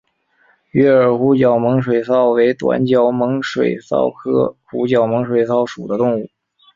鱼饵湖角猛水蚤为短角猛水蚤科湖角猛水蚤属的动物。